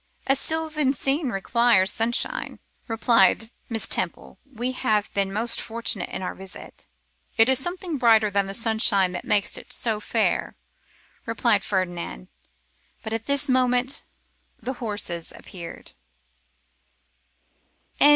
'A sylvan scene requires sunshine,' replied Miss Temple. 'We have been most fortunate in our visit.' 'It is something brighter than the sunshine that makes it so fair,' replied Ferdinand; but at this moment the horses appeared.